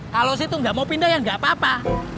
kalo sih tuh ga mau pindah kita pindah lagi aja